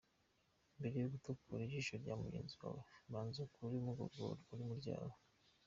Mbere yo gutokora ijisho rya mugenzi wawe banza ukure umugogoro uri mu ryawe